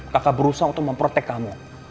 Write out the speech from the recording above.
kaka berusaha untuk memprotect kamu